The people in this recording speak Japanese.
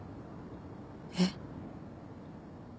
えっ？